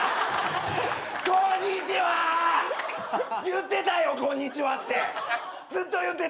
言ってたよこんにちはって。